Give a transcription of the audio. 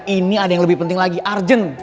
ini ada yang lebih penting lagi urgent